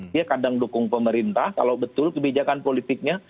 dia kadang dukung pemerintah kalau betul kebijakan politiknya